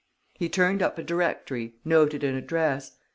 He turned up a directory, noted an address "M.